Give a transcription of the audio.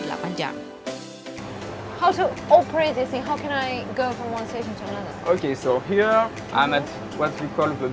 bagaimana cara mengoperasikan bus di kudang